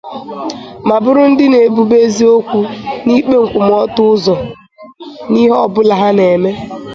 ma bụrụ ndị na-ebube eziokwu na ikpe nkwụmọtọ ụzọ n'ihe ọbụla ha na-eme